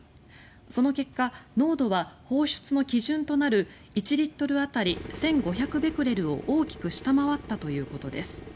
その結果、濃度は放出の基準となる１リットル当たり１５００ベクレルを大きく下回ったということです。